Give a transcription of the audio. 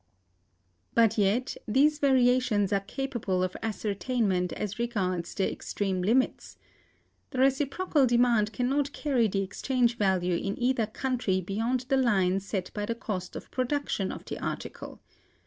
But yet these variations are capable of ascertainment as regards their extreme limits. The reciprocal demand can not carry the exchange value in either country beyond the line set by the cost of production of the article.